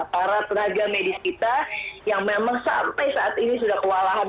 para tenaga medis kita yang memang sampai saat ini sudah kewalahan